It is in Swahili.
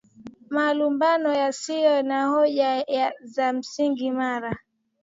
malumbano yasiyo na hoja za msingi mara